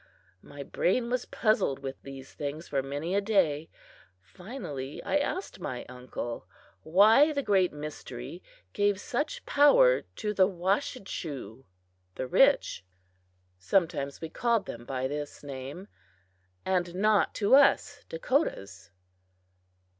My brain was puzzled with these things for many a day. Finally I asked my uncle why the Great Mystery gave such power to the Washechu (the rich) sometimes we called them by this name and not to us Dakotas.